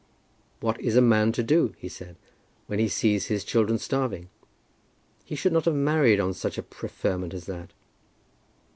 "What is a man to do," he said, "when he sees his children starving? He should not have married on such a preferment as that."